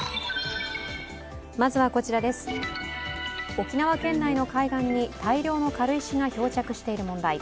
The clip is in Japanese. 沖縄県内の海岸に大量の軽石が漂着している問題。